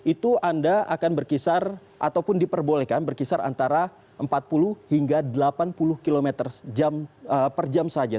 itu anda akan berkisar ataupun diperbolehkan berkisar antara empat puluh hingga delapan puluh km per jam saja